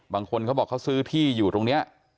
บางคนเขาบอกเขาซื้อที่อยู่ตรงนี้